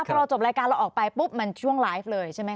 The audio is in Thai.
พอเราจบรายการเราออกไปปุ๊บมันช่วงไลฟ์เลยใช่ไหม